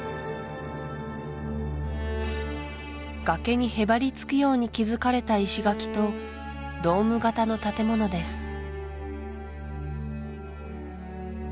崖にへばりつくように築かれた石垣とドーム型の建物です